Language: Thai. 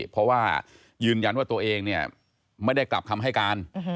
เพราะว่ายืนยันว่าตัวเองเนี่ยไม่ได้กลับคำให้การ